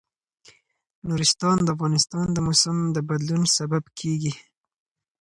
نورستان د افغانستان د موسم د بدلون سبب کېږي.